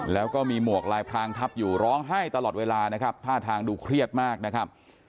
แล้วก็มีหมวกลายพรางทับอยู่ร้องไห้ตลอดเวลานะครับท่าทางดูเครียดมากนะครับ